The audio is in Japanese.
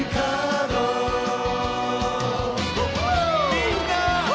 みんな！